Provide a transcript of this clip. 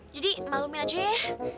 jadi malumin aja ya